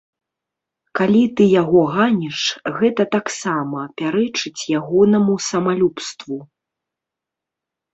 Калі ты яго ганіш, гэта таксама пярэчыць ягонаму самалюбству.